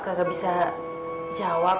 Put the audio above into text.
kagak bisa jawab